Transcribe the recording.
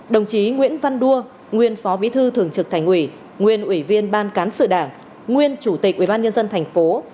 đồng chí nguyễn văn đua nguyên phó bí thư thường trực thành ủy nguyên ủy viên ban cán sự đảng nguyên chủ tịch ubnd tp